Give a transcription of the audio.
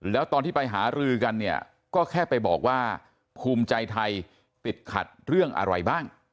แล้วตอนที่ไปหารือกันเนี่ยก็แค่ไปบอกว่าภูมิใจไทยติดขัดเรื่องอะไรบ้าง